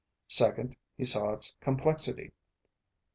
Second, he saw its complexity.